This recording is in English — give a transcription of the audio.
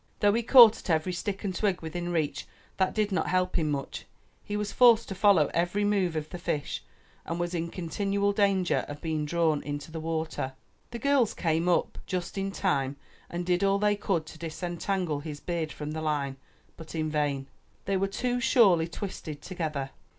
Though he caught at every stick and twig within reach, that did not help him much; he was forced to follow every move of the fish and was in continual danger of being drawn into the water. The girls came up just in time and did all they could to dis entangle his beard from the line, but in vain. They were too surely twisted together.